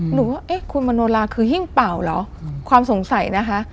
หนูว่าเอ๊ะคุณมโนลาคือหิ้งเป่าเหรอความสงสัยนะคะ